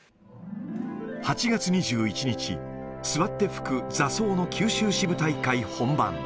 ８月２１日、座って吹く座奏の九州支部大会本番。